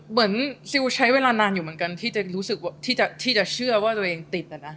เหมือนซิลใช้เวลานานอยู่เหมือนกันที่จะเชื่อว่าตัวเองติด